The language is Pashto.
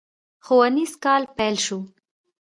ښوونيز کال پيل شو.